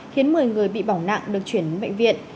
khiến một mươi người bị bỏng nặng được chuyển đến bệnh viện